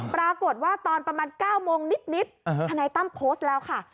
ปรากฏว่าตอนประมาณ๙โมงนิดธนายตั้มโพสต์แล้วค่ะ